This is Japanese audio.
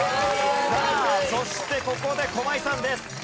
さあそしてここで駒井さんです。